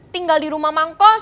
tinggal di rumah mangkos